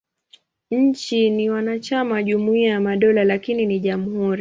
Nchi ni mwanachama wa Jumuiya ya Madola, lakini ni jamhuri.